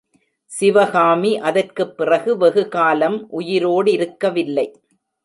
சிவகாமி அதற்குப் பிறகு வெகுகாலம் உயிரோடிருக்கவில்லை.